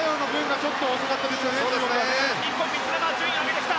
日本の水沼順位を上げてきた。